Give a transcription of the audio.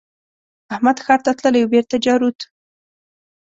احمد ښار ته تللی وو؛ بېرته جارووت.